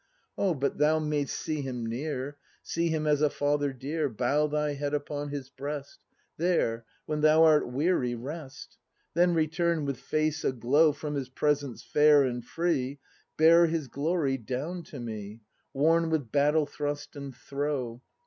Oh, but thou mayst see Him near. See Him as a Father dear. Bow Thy head upon His breast, There, when thou art weary, rest. Then return, with face aglow From His presence, fair and free. Bear His glory down to me Worn with battle thrust and throe!